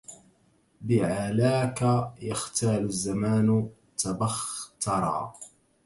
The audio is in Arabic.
بعلاك يختال الزمان تبخترا